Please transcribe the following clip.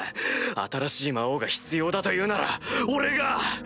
新しい魔王が必要だというなら俺が！